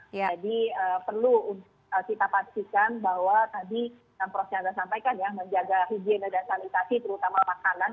jadi perlu kita pastikan bahwa tadi yang prof chandra sampaikan ya menjaga higiene dan sanitasi terutama makanan